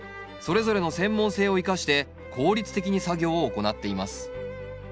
それぞれの専門性を生かして効率的に作業を行っています。